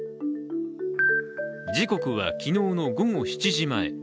時刻は昨日の午後７時前。